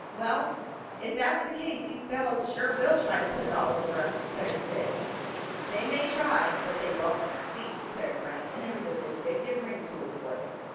"Well, if that's the case, these fellows sure will try to put it all over us," declared Sid. "They may try, but they won't succeed," declared Frank, and there was a vindictive ring to his voice.